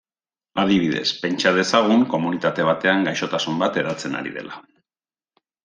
Adibidez, pentsa dezagun komunitate batean gaixotasun bat hedatzen ari dela.